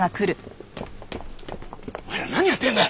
お前ら何やってんだ！